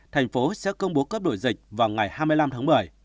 thành phố sẽ công bố cấp đổi dịch vào ngày hai mươi năm tháng một mươi